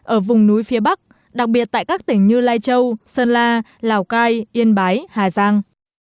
ở vùng núi phía bắc đặc biệt tại các tỉnh như lai châu sơn la lào cai yên bái hà giang